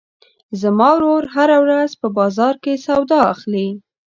زما ورور هره ورځ په بازار کې سودا اخلي.